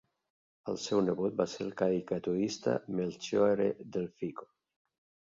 El seu nebot va ser el caricaturista Melchiorre Delfico.